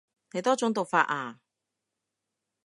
你多種讀法啊